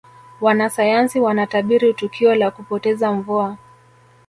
wanasayansi wanatabiri tukio la kupoteza mvua